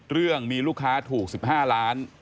เรื่องมีลูกค้าถูก๑๕ล้าน